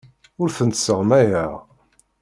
Ur tent-sseɣmayeɣ.